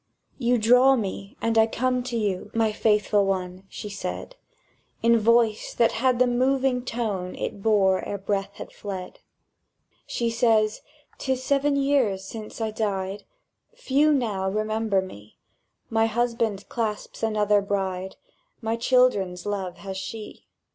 "You draw me, and I come to you, My faithful one," she said, In voice that had the moving tone It bore ere breath had fled. She said: "'Tis seven years since I died: Few now remember me; My husband clasps another bride; My children's love has she.